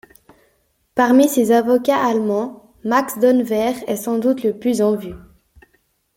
Parmi ces avocats allemands, Max Donnevert, est sans doute le plus en vue.